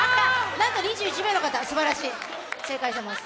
なんと２１名の方、すばらしい、正解しています。